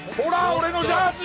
俺のジャージ！